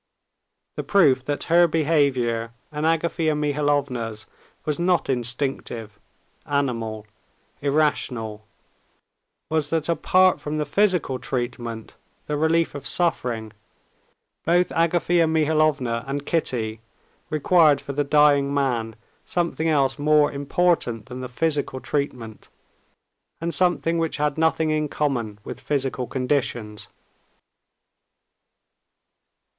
The proof that her behavior and Agafea Mihalovna's was not instinctive, animal, irrational, was that apart from the physical treatment, the relief of suffering, both Agafea Mihalovna and Kitty required for the dying man something else more important than the physical treatment, and something which had nothing in common with physical conditions.